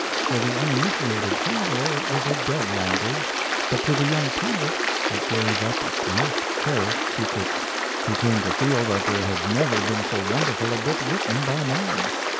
For the uninitiated traveller it was a dead language, but to the young pilot it gave up its most cherished secrets. He came to feel that there had never been so wonderful a book written by man.